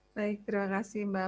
baik terima kasih mbak